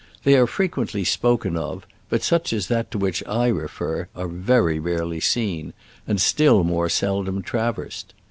They are frequently spoken of, but such as that to which I refer are very rarely seen, and still more seldom traversed.